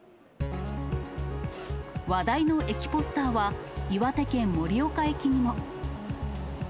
話題の駅ポスターは、岩手県盛岡駅にも。